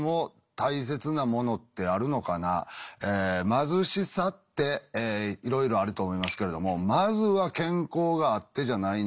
貧しさっていろいろあると思いますけれどもまずは健康があってじゃないのかな。